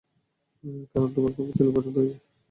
কারণ তোমাকে আমার ছেলের পছন্দ হয়েছে।